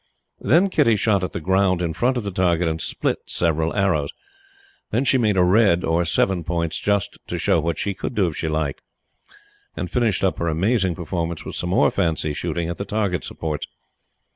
Then Kitty shot at the ground in front of the target, and split several arrows. Then she made a red or seven points just to show what she could do if she liked, and finished up her amazing performance with some more fancy shooting at the target supports.